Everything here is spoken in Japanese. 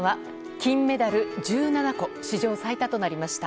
金メダル１７個史上最多となりました。